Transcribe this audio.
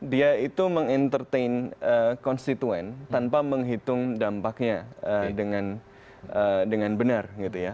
dia itu mengintertain konstituen tanpa menghitung dampaknya dengan benar